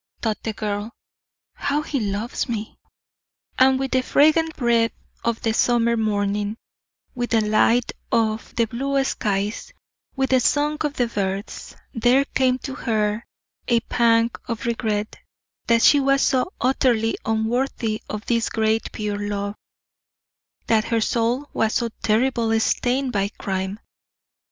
thought the girl; "how he loves me." And with the fragrant breath of the summer morning, with the light of the blue skies, with the song of the birds, there came to her a pang of regret that she was so utterly unworthy of this great pure love, that her soul was so terribly stained by crime.